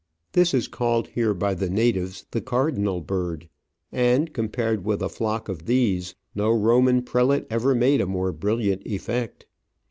This is called here by the natives the '' Cardinal Bird," and, compared with a flock of these, no Roman prelate ever made a more brilliant effect.